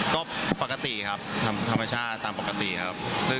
ก็ปกติครับธรรมชาติตามปกติครับ